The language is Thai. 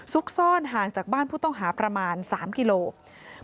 ซุกซ่อนห่างจากบ้านผู้ต้องหาประมาณ๓กิโลกรัม